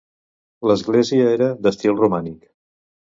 L'església era d'estil romànic.